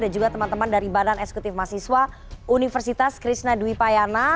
dan juga teman teman dari badan eksekutif mahasiswa universitas krishna dwi payana